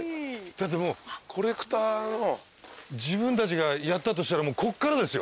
だってもう自分たちがやったとしたらこっからですよ。